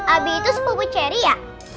abi itu sepupu ceri ya